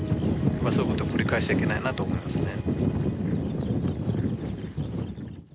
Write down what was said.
そういうことは繰り返しちゃいけないなと思いますね。